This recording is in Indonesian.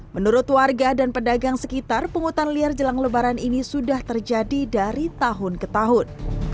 menurut warga dan pedagang sekitar pungutan liar jelang lebaran ini sudah terjadi dari tahun ke tahun